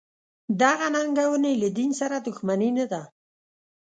دغه ننګونې له دین سره دښمني نه ده.